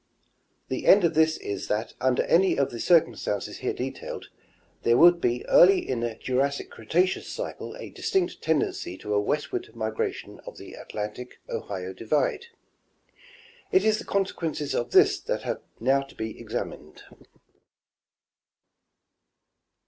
The end of this is that, under any of the circumstances here detailed, there would be early in the Jurassic Cretaceous cycle a distinct tendency to a westward migration of the Atlantic Ohio divide ; it is the consequences of this that have now to be examined.